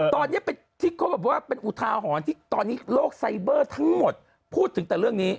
ตอนนี้เป็นอุทาหรณ์ที่ตอนนี้โลกไซเบอร์ทั้งหมดพูดถึงแต่เรื่องนี้